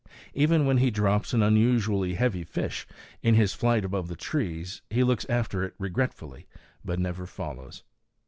Even when he drops an unusually heavy fish, in his flight above the trees, he looks after it regretfully, but never follows.